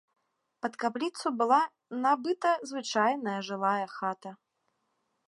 Пад капліцу была набыта звычайная жылая хата.